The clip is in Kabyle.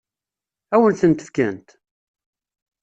Ad wen-tent-fkent?